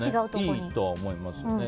いいと思いますよね。